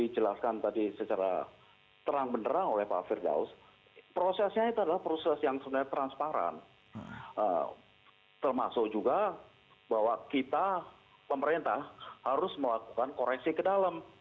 jelaskan tadi secara terang benerang oleh pak firdaus prosesnya itu adalah proses yang sebenarnya transparan termasuk juga bahwa kita pemerintah harus melakukan koreksi ke dalam